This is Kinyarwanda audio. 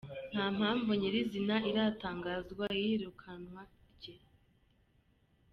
Nta mpamvu nyir’izina iratangazwa y’iyirukanwa rye .